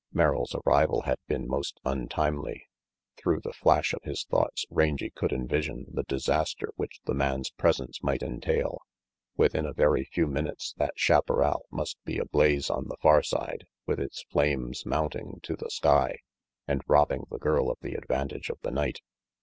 Merrill's arrival had been most untimely. Through the flash of his thoughts Rangy could envision the disaster which the man's presence might entail. Within a very few minutes that chaparral must be ablaze on the far side, with its flames mounting to the sky and robbing the girl of the advantage of the night.